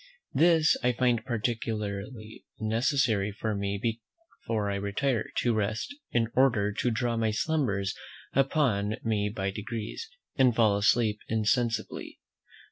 This I find particularly necessary for me before I retire, to rest, in order to draw my slumbers upon me by degrees, and fall asleep insensibly.